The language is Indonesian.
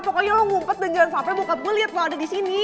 pokoknya lo ngumpet dan jangan sampe bokap gue liat lo ada disini